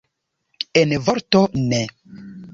En vorto, ne.